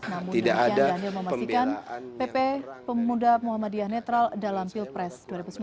namun demikian daniel memastikan pp pemuda muhammadiyah netral dalam pilpres dua ribu sembilan belas